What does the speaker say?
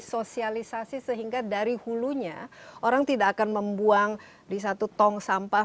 sosialisasi sehingga dari hulunya orang tidak akan membuang di satu tong sampah